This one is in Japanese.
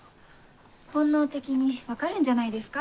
本能的に分かるんじゃないですか？